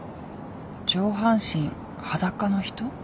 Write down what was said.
上半身裸の人？